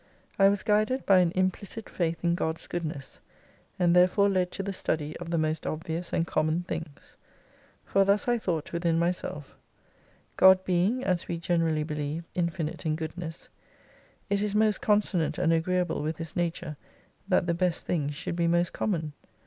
I was guided by an implicit faith in God's goodness : and therefore led to the study of the most obvious and common things. For thus I thought within myself : God being, as we generally believe, infinite in good ness, it is most consonant and agreeable with His nature, that the best things should be most common.